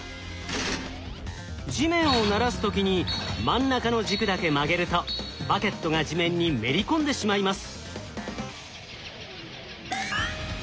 地面をならす時に真ん中の軸だけ曲げるとバケットが地面にめり込んでしまいます。